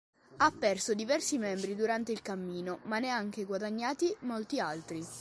Ha perso diversi membri durante il cammino, ma ne ha anche guadagnati molti altri.